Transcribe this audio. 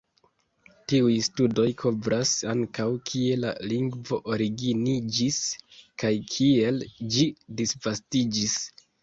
Tiuj studoj kovras ankaŭ kie la lingvo originiĝis kaj kiel ĝi disvastiĝis.